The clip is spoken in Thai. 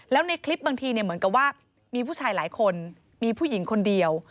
แล้วในคลิปบางทีเหมือนกับว่ามีผู้ชายหลายคนมีผู้หญิงคนเดียว